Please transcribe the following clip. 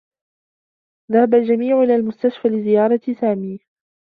ذهب الجميع إلى المستشفى لزيارة سامي.